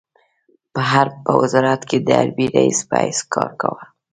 په حرب په وزارت کې د حربي رئيس په حیث کار کاوه.